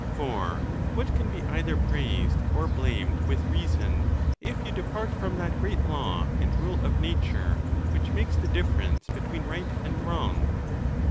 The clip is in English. For what can be either praised or blamed with reason, if you depart from that great law and rule of nature, which makes the difference between right and wrong?